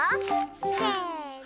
せの！